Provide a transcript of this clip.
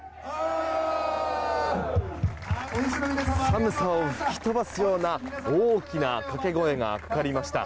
寒さを吹き飛ばすような大きな掛け声がかかりました。